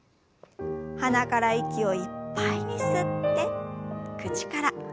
鼻から息をいっぱいに吸って口から吐きましょう。